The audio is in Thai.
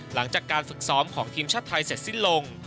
หลังจากการฝึกซ้อมของทีมชาติไทยเสร็จสิ้นลง